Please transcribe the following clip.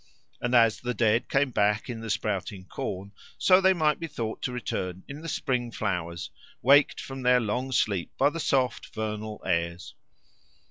And as the dead came back in the sprouting corn, so they might be thought to return in the spring flowers, waked from their long sleep by the soft vernal airs.